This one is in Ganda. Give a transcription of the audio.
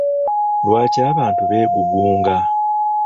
Lwaki abantu beegugunga?